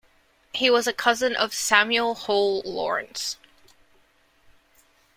He was the cousin of Samuel Hill Lawrence.